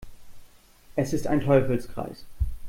Es ist ein Teufelskreis.